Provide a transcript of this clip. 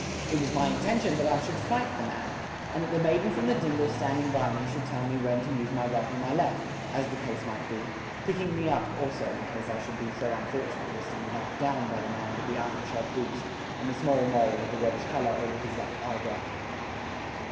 It was my intention that I should fight the man, and that the maiden from the dingle standing by me should tell me when to use my right or my left, as the case might be, picking me up also in case I should be so unfortunate as to be knocked down by the man with the iron shod boots and the small mole of a reddish colour over his left eyebrow.